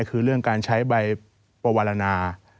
คือเรื่องการใช้ใบปวรรณา